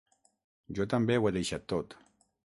Jo també ho he deixat tot.